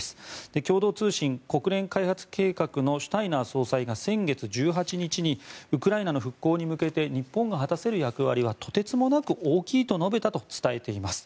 共同通信、国連開発計画のシュタイナー総裁が先月１８日にウクライナの復興に向けて日本が果たせる役割はとてつもなく大きいと述べたと伝えています。